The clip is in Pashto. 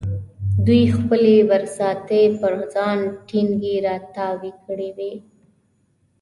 دوی خپلې برساتۍ پر ځان ټینګې را تاو کړې وې.